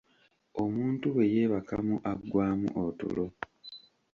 Omuntu bwe yeebakamu aggwamu otulo.